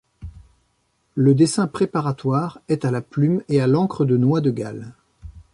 Le dessin préparatoire est à la plume et à l'encre de noix de galle.